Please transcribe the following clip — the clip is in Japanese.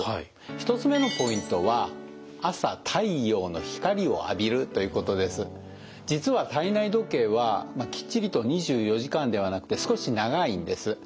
１つ目のポイントは実は体内時計はきっちりと２４時間ではなくて少し長いんです。